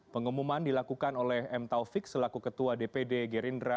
pengumuman dilakukan oleh m taufik selaku ketua dpd gerindra